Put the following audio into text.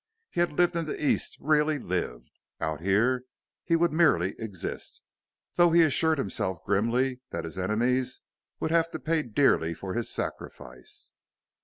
He had lived in the East really lived. Out here he would merely exist, though, he assured himself grimly, his enemies would have to pay dearly for his sacrifice.